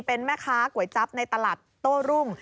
เป็นแม่ค้าก๋วยจั๊บในตลาดโต้รุ่ง